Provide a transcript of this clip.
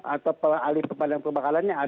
atau ahli pemadam kebakarannya